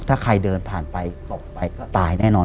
ถ้าใครเดินผ่านไปตกไปก็ตายแน่นอน